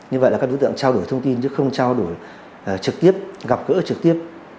như vậy là các đối tượng trao đổi thông tin chứ không trao đổi trực tiếp gặp gỡ trực tiếp